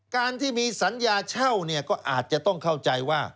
การที่มีสัญญาเช่าเนี่ยก็อาจจะต้องเข้าใจว่า